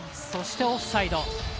そしてオフサイド。